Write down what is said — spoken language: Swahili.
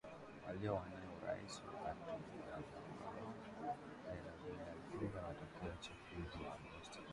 waliowania urais wakati mmoja wao Raila Odinga alipinga matokeo ya uchaguzi wa Agosti tisa